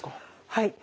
はい。